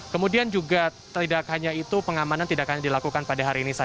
kemudian juga tidak hanya itu pengamanan tidak hanya dilakukan pada hari ini